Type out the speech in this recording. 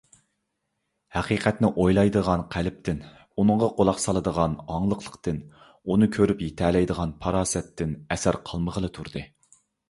ھەقىقەتنى ئويلايدىغان قەلبتىن، ئۇنىڭغا قۇلاق سالىدىغان ئاڭلىقلىقتىن، ئۇنى كۆرۈپ يېتەلەيدىغان پاراسەتتىن ئەسەر قالمىغىلى تۇردى.